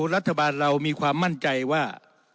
รัฐบาลเรามีความมั่นใจว่า